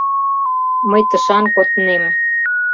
— Мый тышан коднем.